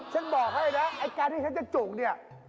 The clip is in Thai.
ฉันบอกให้เลยนะไอ้การที่ฉันจะจุกเนี่ย